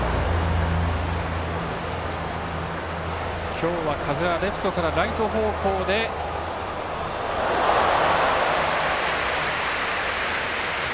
今日は風はレフトからライト方向です。